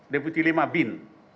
deputi lima bin